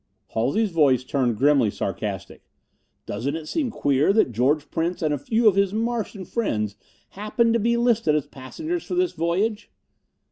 Halsey's voice turned grimly sarcastic. "Doesn't it seem queer that George Prince and a few of his Martian friends happen to be listed as passengers for this voyage?"